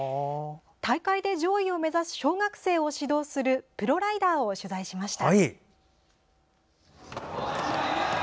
大会で上位を目指す小学生を指導するプロライダーを取材しました。